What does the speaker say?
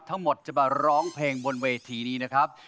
ทั้งหมดจะมาร้องเพลงบนเวทีนี้นะครับ